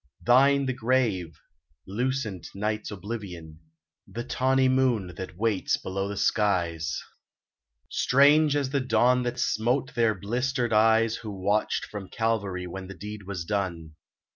Thine the grave, lucent night's oblivion, The tawny moon that waits below the skies, Strange as the dawn that smote their blistered eyes Who watched from Calvary when the Deed was done.